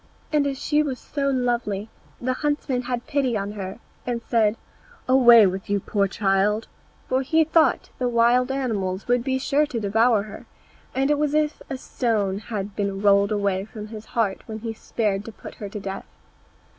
And as she was so lovely the huntsman had pity on her, and said, "Away with you then, poor child;" for he thought the wild animals would be sure to devour her, and it was as if a stone had been rolled away from his heart when he spared to put her to death.